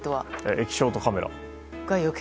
液晶とカメラ。